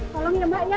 tolong ya mbak ya